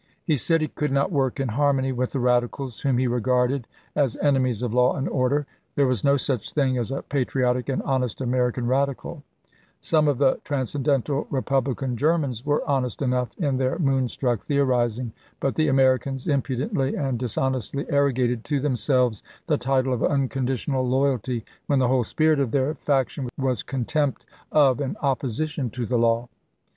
He said he Diary, could not work in harmony with the radicals, whom he regarded as enemies of law and order; there was no such thing as a patriotic and honest Ameri can radical ; some of the transcendental Republican Germans were honest enough in their moon struck theorizing, but the Americans impudently and dis honestly arrogated to themselves the title of un conditional loyalty, when the whole spirit of their faction was contempt of and opposition to the law.